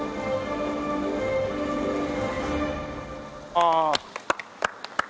ああ。